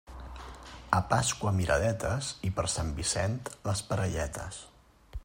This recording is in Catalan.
A Pasqua miradetes i per Sant Vicent les parelletes.